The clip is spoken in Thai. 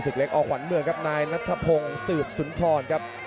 เล็กอขวัญเมืองครับนายนัทพงศ์สืบสุนทรครับ